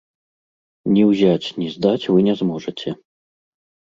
Ні ўзяць, ні здаць вы не зможаце.